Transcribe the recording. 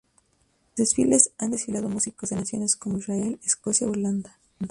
En sus desfiles han desfilado músicos de naciones como Israel, Escocia o Irlanda.